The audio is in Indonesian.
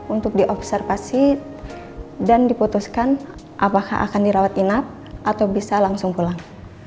untuk diobservasi dan diputuskan apakah akan dirawat inap atau bisa langsung pulang